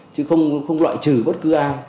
chứ không loại trừ bất cứ ai